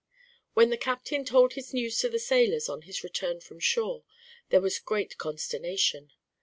When the captain told his news to the sailors on his return from shore, there was great consternation.